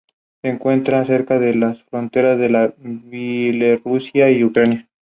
A finales de ese año, no obstante, consiguió la embajada en Roma.